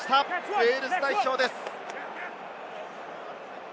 ウェールズ代表です。